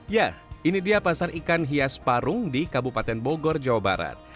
ya ini dia pasar ikan hias parung di kabupaten bogor jawa barat